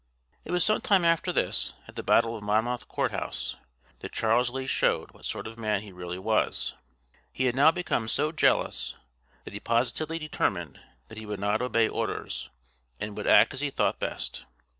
It was some time after this, at the battle of Monmouth Court House, that Charles Lee showed what sort of a man he really was. He had now become so jealous that he positively determined that he would not obey orders, and would act as he thought best.